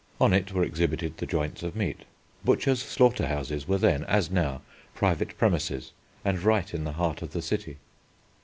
On it were exhibited the joints of meat. Butchers' slaughter houses were then, as now, private premises and right in the heart of the city.